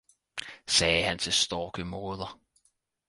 « sagde han til Storkemoder.